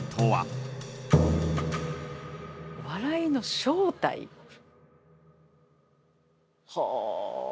笑いの正体。はあ。